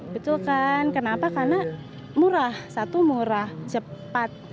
betul kan kenapa karena murah satu murah cepat